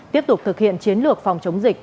tiếp tục thực hiện chiến lược phòng chống dịch